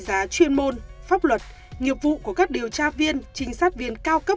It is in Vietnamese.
giá chuyên môn pháp luật nghiệp vụ của các điều tra viên trinh sát viên cao cấp